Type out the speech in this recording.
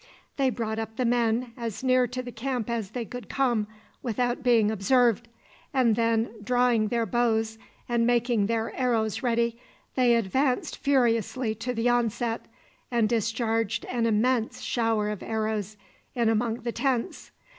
They brought up the men as near to the camp as they could come without being observed, and then, drawing their bows and making their arrows ready, they advanced furiously to the onset, and discharged an immense shower of arrows in among the tents.